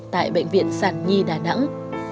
tại bệnh viện sản nhi đà nẵng